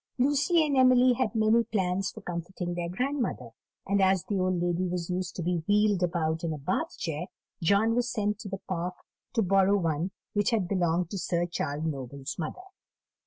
Lucy and Emily had many plans for comforting their grandmother; and as the old lady was used to be wheeled about in a Bath chair, John was sent to the Park to borrow one which had belonged to Sir Charles Noble's mother.